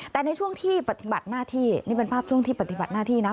แต่ในช่วงที่ปฏิบัติหน้าที่นี่เป็นภาพช่วงที่ปฏิบัติหน้าที่นะ